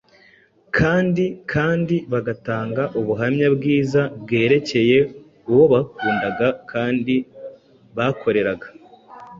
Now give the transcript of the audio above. kandi kandi bagatanga ubuhamya bwiza bwerekeye uwo bakundaga kandi bakoreraga.